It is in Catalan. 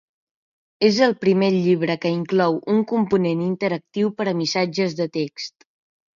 És el primer llibre que inclou un component interactiu per a missatges de text.